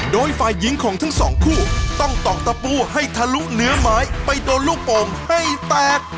โดยฝ่ายหญิงของทั้งสองคู่ต้องต่องตะปูให้ทะลุเนื้อไม้ไปโดนลูกโป่งให้แตก